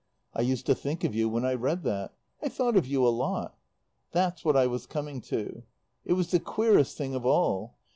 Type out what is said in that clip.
I used to think of you when I read that. I thought of you a lot. "That's what I was coming to. It was the queerest thing of all.